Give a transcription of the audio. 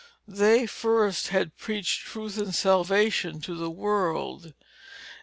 They first had preached truth and salvation to the world.